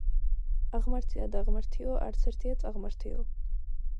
აღმართი და დაღმართიო არც ერთია წაღმართიო.